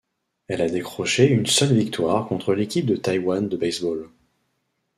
Elle a décroché une seule victoire contre l'Équipe de Taïwan de baseball.